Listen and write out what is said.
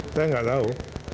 saya nggak tahu